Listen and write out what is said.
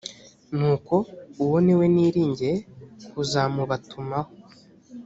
nuko uwo ni we niringiye kuzamubatumaho